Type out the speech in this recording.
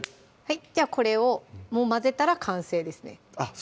じゃあこれをもう混ぜたら完成ですねあっ